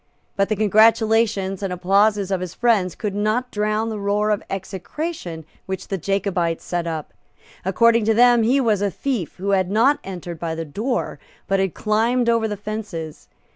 But the congratulations and applauses of his friends could not drown the roar of execration which the Jacobites set up. According to them, he was a thief who had not entered by the door, but had climbed over the fences.